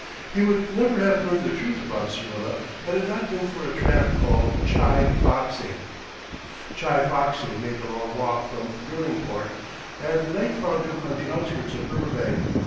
He would never have learned the truth about Syrilla had it not been for a tramp called Chi Foxy. Chi Foxy made the long walk from Derlingport, and night found him on the outskirts of Riverbank.